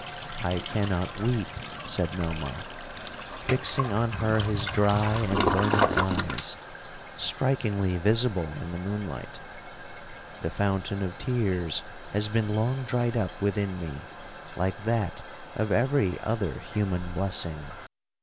'—'I cannot weep,' said Melmoth, fixing on her his dry and burning eyes, strikingly visible in the moonlight; 'the fountain of tears has been long dried up within me, like that of every other human blessing.'